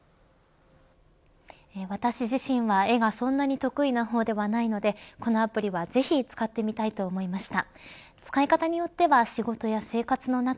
私自身は絵がそんなに得意な方ではないのでこのアプリはぜひ使ってみたいと思いました。